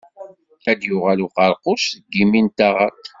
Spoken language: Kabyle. Ad d-yuɣal uqeṛquc seg imi n taɣaṭ.